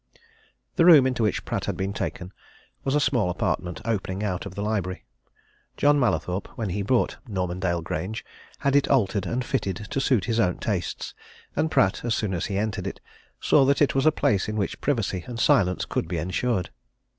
The room into which Pratt had been taken was a small apartment opening out of the library John Mallathorpe, when he bought Normandale Grange, had it altered and fitted to suit his own tastes, and Pratt, as soon as he entered it, saw that it was a place in which privacy and silence could be ensured.